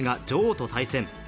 女王と対戦。